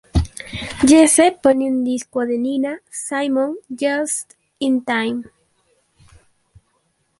Jesse pone un disco de Nina Simone, ""Just in time"".